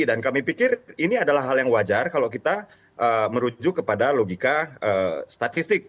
dan kami pikir ini adalah hal yang wajar kalau kita merujuk kepada logika statistik